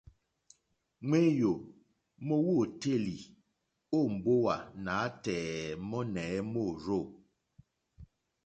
Ŋwéyò mówǒtélì ó mbówà nǎtɛ̀ɛ̀ mɔ́nɛ̌ mórzô.